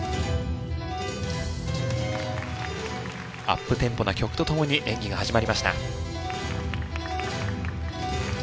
アップテンポな曲とともに演技が始まりました。